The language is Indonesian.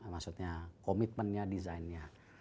maksudnya komitmennya designnya